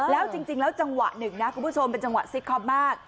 แล้วจริงแล้วจังหวะหนึ่งนะคุณผู้ชมเป็นจังหวะซิกคอปมาก